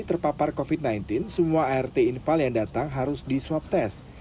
selama covid sembilan belas semua art infal yang datang harus diswab tes